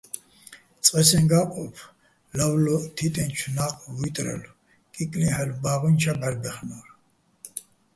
წყე სეჼ გა́ნყოფ ლავლო თიტენჩო̆ ნა́ყვ ვუჲტრალო̆, კიკლიჰ̦ალო̆ ბა́ღუჲნი̆ ჩა ბჵარბაჲხნო́რ.